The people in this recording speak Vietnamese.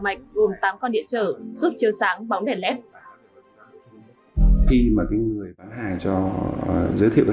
mạch gồm tám con điện trở giúp chiếu sáng bóng đèn led khi mà cái người bán hàng cho giới thiệu